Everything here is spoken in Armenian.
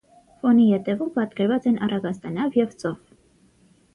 Ֆոնի ետևում պատկերված են առագաստանավ և ծով։